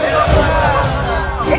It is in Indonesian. hidup berjaya bangunan